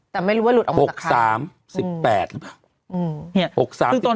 แต่ไม่รู้ว่าหลุดออกมาจากไหน